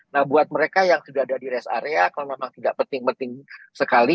nah buat mereka yang sudah ada di rest area kalau memang tidak penting penting sekali